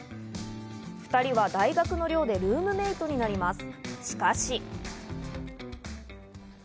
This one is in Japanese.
２人は大学の寮でルームメイトになります。